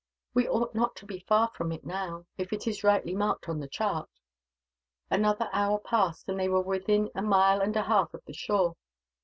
"We ought not to be far from it, now, if it is rightly marked on the chart." Another hour passed, and they were within a mile and a half of the shore.